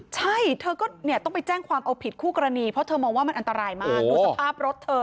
ใช่เธอก็ต้องไปแจ้งความเอาผิดคู่กรณีเพราะเธอมองว่ามันอันตรายมาก